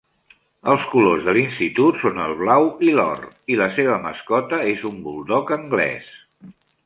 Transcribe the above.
Els colors de l'institut són el blau i l'or, i la seva mascota és un buldog anglès.